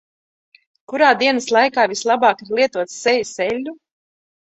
Kurā dienas laikā vislabāk ir lietot sejas eļļu?